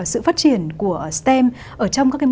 sự phát triển của stem ở trong các mô hình đào tạo ở các quốc gia